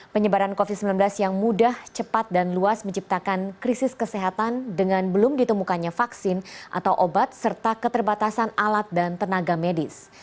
penyebaran covid sembilan belas yang mudah cepat dan luas menciptakan krisis kesehatan dengan belum ditemukannya vaksin atau obat serta keterbatasan alat dan tenaga medis